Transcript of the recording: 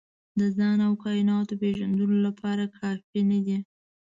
د ځان او کایناتو پېژندلو لپاره کافي نه دي.